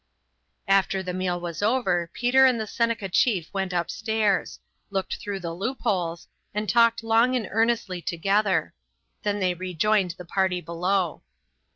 After the meal was over Peter and the Seneca chief went upstairs, looked through the loop holes, and talked long and earnestly together; then they rejoined the party below.